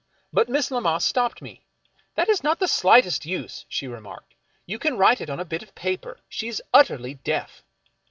But Miss Lammas stopped me. " That is not of the slightest use," she remarked. " You can write it on a bit of paper. She is utterly deaf."